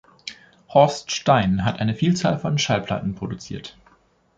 Horst Stein hat eine Vielzahl von Schallplatten produziert.